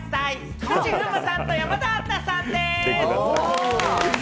菊池風磨さんと山田杏奈さんです。